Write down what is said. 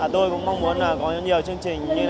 tôi cũng mong muốn có nhiều chương trình